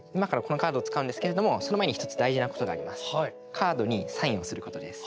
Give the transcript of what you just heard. カードにサインをすることです。